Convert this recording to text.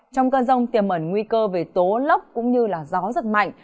trong cơn rông tiềm ẩn nguy cơ về tố lốc cũng như gió giật mạnh